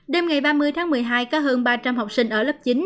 đêm ngày ba mươi tháng một mươi hai có hơn ba trăm linh học sinh ở lớp chín